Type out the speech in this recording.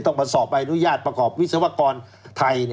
ต้องมาสอบไอนุญาตประกอบวิศวกรไทย